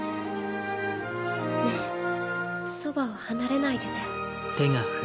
ねぇそばを離れないでね。